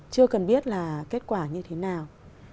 chưa cần biết là kết quả như thế nào